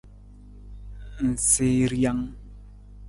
Ng sii rijang.